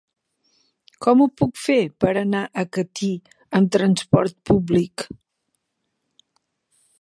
Com ho puc fer per anar a Catí amb transport públic?